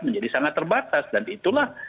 menjadi sangat terbatas dan itulah